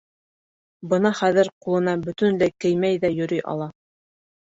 Бына хәҙер ҡулына бөтөнләй кеймәй ҙә йөрөй ала.